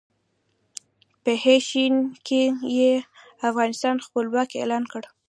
په ه ش کې یې افغانستان خپلواک اعلان کړ.